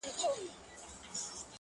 • د عُمر زکندن ته شپې یوه, یوه لېږمه,